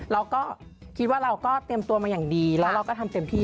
เราก็คิดว่าเราก็เตรียมตัวมาอย่างดีแล้วเราก็ทำเต็มที่